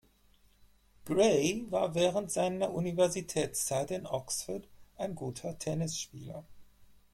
Grey war während seiner Universitätszeit in Oxford ein guter Tennisspieler.